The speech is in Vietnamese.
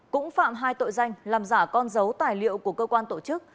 cũng phạm hai tội danh làm giả con dấu tài liệu của cơ quan tổ chức